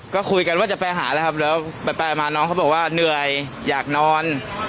ก็คุยกันว่าจะไปหาแล้วครับแล้วไปมาน้องเขาบอกว่าเหนื่อยอยากนอน